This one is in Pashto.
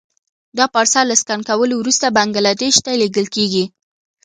دا پارسل له سکن کولو وروسته بنګلادیش ته لېږل کېږي.